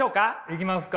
いきますか。